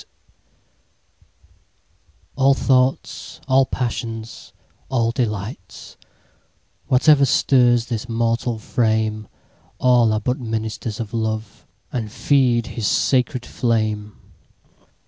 Love ALL thoughts, all passions, all delights, Whatever stirs this mortal frame, All are but ministers of Love, And feed his sacred flame.